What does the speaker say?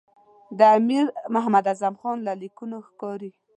د امیر محمد اعظم خان له لیکونو ښکاري.